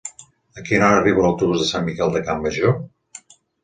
A quina hora arriba l'autobús de Sant Miquel de Campmajor?